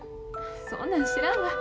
そんなん知らんわ。